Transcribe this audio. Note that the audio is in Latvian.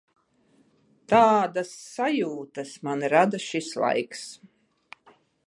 Tādas sajūtas man rada šis laiks.